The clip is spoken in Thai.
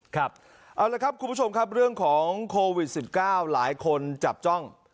ครับเอาละครับคุณผู้ชมครับเรื่องของโควิด๑๙หลายคนจับจ้อง